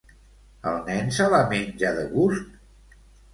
El nen se la menja de gust?